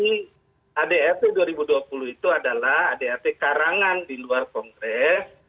anggaran dasar dua ribu dua puluh itu adalah anggaran dasar karangan di luar kongres